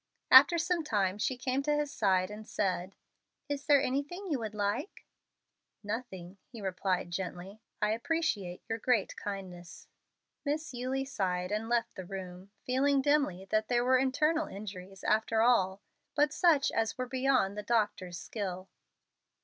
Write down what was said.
After some time she came to his side and said, "Is there anything you would like?" "Nothing," he replied, gently. "I appreciate your great kindness." Miss Eulie sighed and left the room, feeling dimly that there were internal injuries after all, but such as were beyond the doctor's skill.